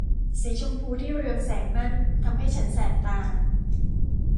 สีชมพูที่เรืองแสงนั่นทำให้ฉันแสบตา